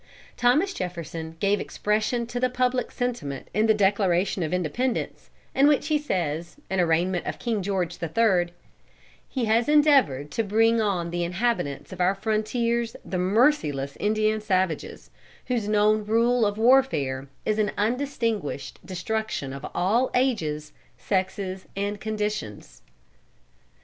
Thomas Jefferson gave expression to the public sentiment in the Declaration of Independence, in which he says, in arraignment of King George the Third: "He has endeavored to bring on the inhabitants of our frontiers the merciless Indian savages, whose known rule of warfare is an undistinguished destruction of all ages, sexes, and conditions."